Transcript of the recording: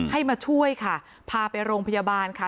มาช่วยค่ะพาไปโรงพยาบาลค่ะ